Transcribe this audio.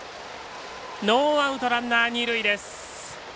ノーアウト、ランナー、二塁です。